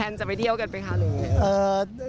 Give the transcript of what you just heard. แผนจะไปเที่ยวกันไปฮารุไง